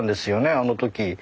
あの時。